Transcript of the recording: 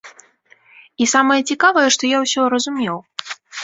І самае цікавае, што я ўсё разумеў.